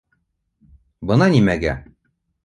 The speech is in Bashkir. Бына нимәгә!